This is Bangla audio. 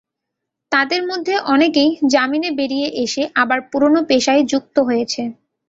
তাদের মধ্যে অনেকেই জামিনে বেরিয়ে এসে আবার পুরোনো পেশায় যুক্ত হয়েছে।